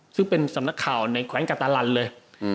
ซึ่งเป็นสำนักข่าวในแขวงกาตาลันเลย